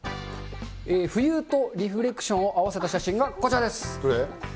浮遊とリフレクションを合わせた写真がこちらです。